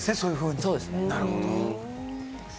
なるほど。